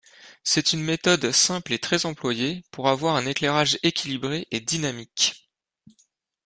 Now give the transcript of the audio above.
C'est une méthode simple et très employée pour avoir un éclairage équilibré et dynamique.